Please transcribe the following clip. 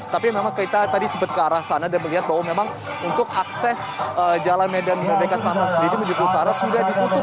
tapi memang kita tadi sempat ke arah sana dan melihat bahwa memang untuk akses jalan medan merdeka selatan sendiri menuju utara sudah ditutup